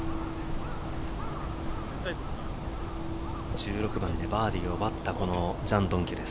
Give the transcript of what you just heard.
１６番でバーディーを奪ったジャン・ドンキュです。